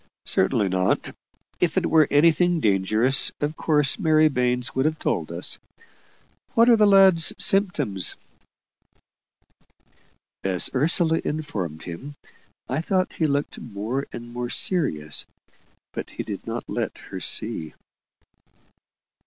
"Certainly not. If it were anything dangerous, of course Mary Baines would have told us. What are the lad's symptoms?" As Ursula informed him, I thought he looked more and more serious; but he did not let her see.